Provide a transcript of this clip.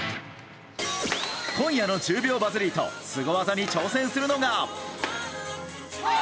今夜の１０秒バズリートスゴ技に挑戦するのが。